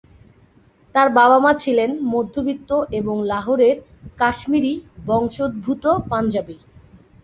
তার বাবা-মা ছিলেন মধ্যবিত্ত এবং লাহোরের কাশ্মীরি বংশোদ্ভূত পাঞ্জাবি।